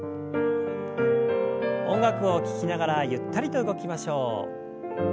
音楽を聞きながらゆったりと動きましょう。